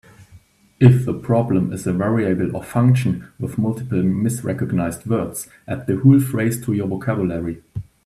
If the problem is a variable or function with multiple misrecognized words, add the whole phrase to your vocabulary.